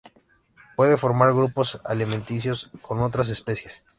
Puede formar grupos alimenticios con otras especies.